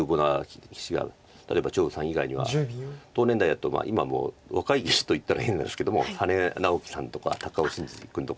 例えば張栩さん以外には同年代だと今もう若い棋士といったら変なんですけども羽根直樹さんとか高尾紳路君とか。